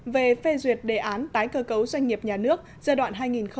về phê duyệt đề án tái cơ cấu doanh nghiệp nhà nước giai đoạn hai nghìn một mươi sáu hai nghìn hai mươi